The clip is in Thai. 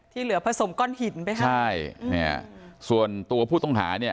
ที่เหลือผสมก้อนหินไปครับใช่ส่วนตัวผู้ต้องหาเนี่ย